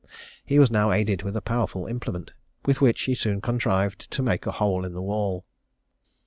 He was now aided with a powerful implement, with which he soon contrived to make a hole in the wall.